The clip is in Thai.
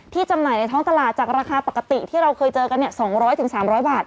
จำหน่ายในท้องตลาดจากราคาปกติที่เราเคยเจอกัน๒๐๐๓๐๐บาท